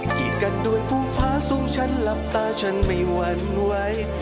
กีดกันด้วยภูฟ้าทรงฉันหลับตาฉันไม่หวั่นไหว